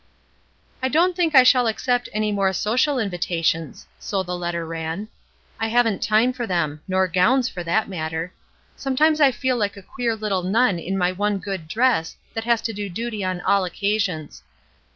"I don't think I shall accept any more social invitations/' so the letter ran; ''1 haven't time for them — nor gowns, for that matter. Some times I feel like a queer little nun in my one good dress that has to do duty on all occasions.